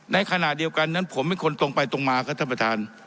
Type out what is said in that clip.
ในขณะเดียวกันนั้นผมเป็นคนตรงไปตรงมาครับท่านประธาน